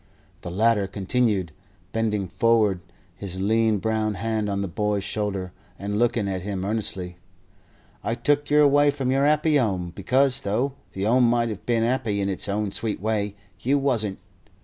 The latter continued, bending forward, his lean brown hand on the boy's shoulder, and looking at him earnestly: "I took yer away from your 'appy 'ome because, though the 'ome might have been 'appy in its own sweet way, you wasn't.